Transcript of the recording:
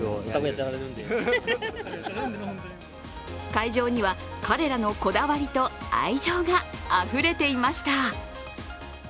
会場には彼らのこだわりと愛情があふれていました。